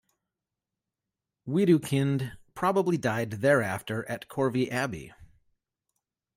Widukind probably died thereafter at Corvey Abbey.